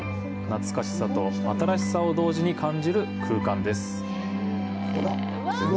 懐かしさと新しさを同時に感じる空間です。